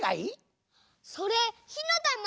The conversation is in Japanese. それひのたま？